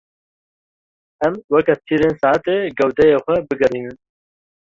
Em weke tîrên saetê gewdeyê xwe bigerînin.